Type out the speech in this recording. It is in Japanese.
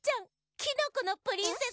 「キノコのプリンセス」！